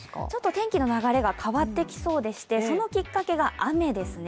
天気の流れが変わってきそうでして、そのきっかけが雨ですね。